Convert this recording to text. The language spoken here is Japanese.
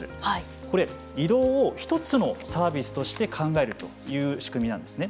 これ、移動を一つのサービスとして考えるという仕組みなんですね。